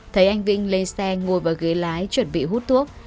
thấy anh vinh lên xe ngồi vào ghế lái chuẩn bị hút thuốc